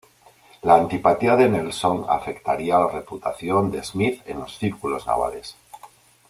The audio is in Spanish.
La antipatía de Nelson afectaría la reputación de Smith en los círculos navales.